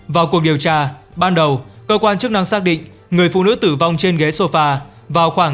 vào cuộc điều tra ban đầu cơ quan chức năng xác định người phụ nữ tử vong trên ghế sofa vào khoảng